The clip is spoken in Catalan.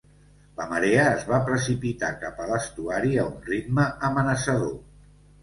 La marea es va precipitar cap a l'estuari a un ritme amenaçador.